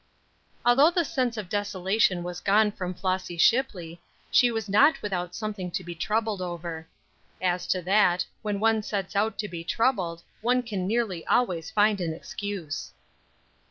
ALTHOUGH the sense of desolation was gone from Flossy Shipley, she was not without something to be troubled over. As to that, when one sets out to be troubled, one can nearly always find an excuse.